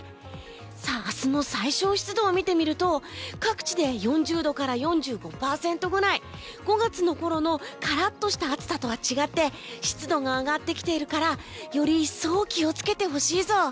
さあ、明日の最小湿度を見てみると各地で４０から４５％ぐらい５月のころのカラッとした暑さとは違って湿度が上がってきているからより一層気を付けてほしいぞ！